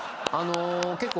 結構。